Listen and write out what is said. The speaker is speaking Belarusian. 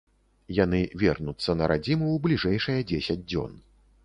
Яны вернуцца на радзіму ў бліжэйшыя дзесяць дзён.